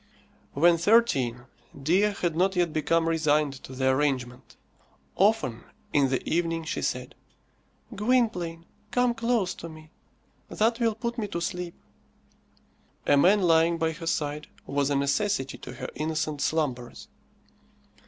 When thirteen, Dea had not yet become resigned to the arrangement. Often in the evening she said, "Gwynplaine, come close to me; that will put me to sleep." A man lying by her side was a necessity to her innocent slumbers.